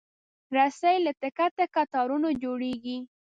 رسۍ له تکه تکه تارونو جوړېږي.